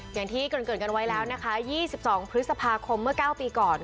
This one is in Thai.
อย่างที่เกริ่นกันไว้แล้วนะคะ๒๒พฤษภาคมเมื่อ๙ปีก่อน